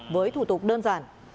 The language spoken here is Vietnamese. với thủ tục đơn giản